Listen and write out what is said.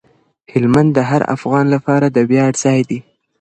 هلمند د هر افغان لپاره د ویاړ ځای دی.